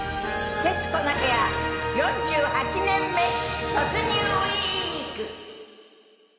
『徹子の部屋』４８年目突入ウィーク！